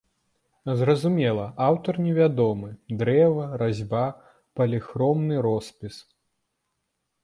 Зразумела, аўтар невядомы, дрэва, разьба, паліхромны роспіс.